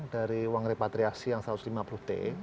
dari uang repatriasi yang satu ratus lima puluh t